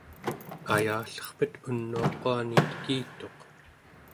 ayallerpet unuaquani tekituq